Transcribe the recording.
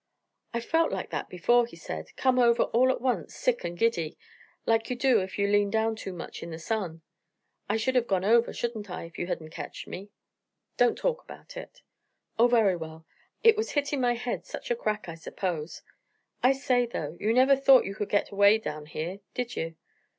"I've felt like that before," he said. "Come over all at once sick and giddy, like you do if you lean down too much in the sun. I should have gone over, shouldn't I, if you hadn't ketched me?" "Don't talk about it." "Oh, very well; it was hitting my head such a crack, I suppose. I say, though, you never thought you could get away down here, did you?"